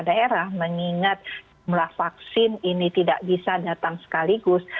daerah mengingat jumlah vaksin ini tidak bisa datang sekaligus